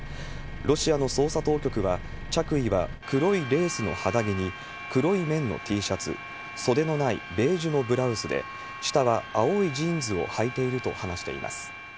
ロシアの捜査当局は、着衣は黒いレースの肌着に、黒い綿のＴシャツ、袖のないベージュのブラウスで、下は青いジーンズをはいていると話しています。